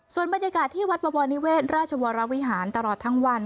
ส่วนบรรยากาศที่วัดบวรนิเวศราชวรวิหารตลอดทั้งวัน